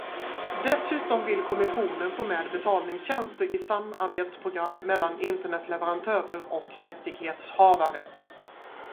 Dessutom vill kommissionen få med betalningstjänster i samarbetsprogram mellan internetleverantörer och rättighetshavare.